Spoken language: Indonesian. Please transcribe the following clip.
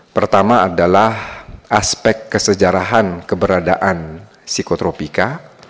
pertama adalah aspek kesejarahan keberadaan psikotropika